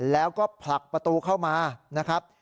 แล้วก็ผลักประตูเข้ามานะครับ